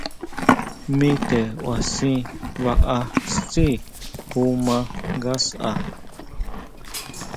Mi te kʼua sʼí baá tsí ju maa ngasʼa.